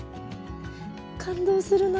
感動するな。